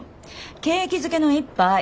景気づけの一杯。